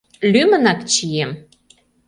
Лӱмынак чием.